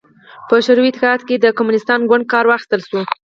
په شوروي اتحاد کې د کمونېست ګوند کار واخیستل شو.